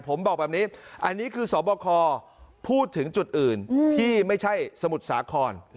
ผมบอกแบบนี้อันนี้คือสบคพูดถึงจุดอื่นที่ไม่ใช่สมุทรสาคร